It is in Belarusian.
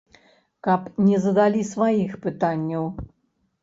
Каб не задалі сваіх пытанняў?